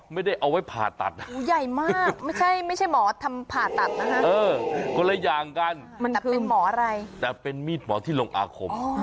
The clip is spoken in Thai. มีดหมอ